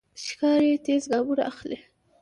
ښکاري تېز ګامونه اخلي.